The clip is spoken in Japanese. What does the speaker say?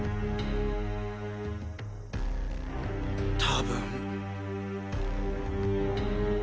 多分。